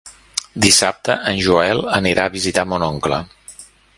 Dissabte en Joel anirà a visitar mon oncle.